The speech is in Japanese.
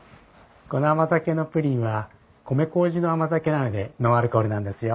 この甘酒のプリンは米麹の甘酒なのでノンアルコールなんですよ。